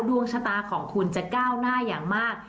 ดวงชะตาของคุณจะก้าวหน้าอย่างมาก